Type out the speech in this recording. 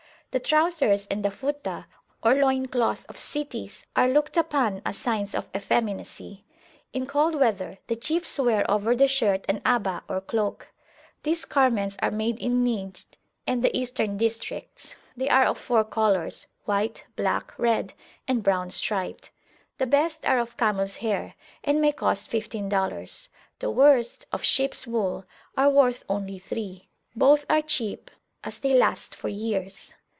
The trousers and the Futah, or loin cloth of cities, are looked upon as signs of effeminacy. In cold weather the chiefs wear over the shirt an Aba, or cloak. These garments are made in Nijd and the Eastern districts; they are of four colours, white, black, red, and brown striped. The best are of camels hair, and may cost fifteen dollars; the worst, of sheeps wool, are worth only three; both are cheap, as they last for years.